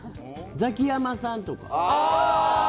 ザキヤマさんとか。